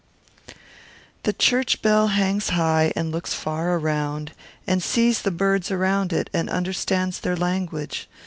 "The church bell hangs high, and looks far around, and sees the birds around it, and understands their language.